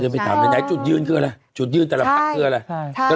ไปถามไหนจุดยืนคืออะไรจุดยืนแต่ละพักคืออะไร